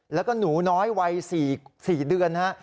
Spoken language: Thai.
และหนูน้อยเกี่ยวกับขีศสิบเดือน